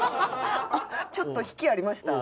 あっちょっと引きありました？